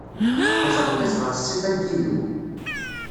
ixelq-it ɣef ṣṣifa n Yillu.